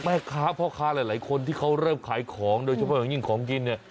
พ่อค้าหลายคนที่เขาเริ่มขายของโดยเฉพาะอย่างยิ่งของกินเนี่ย